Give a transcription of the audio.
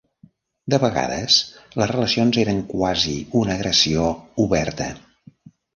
De vegades, les relacions eren quasi una agressió oberta.